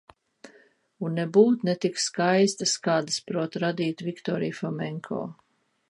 Un nebūt ne tik skaistas, kādas prot radīt Viktorija Fomenko.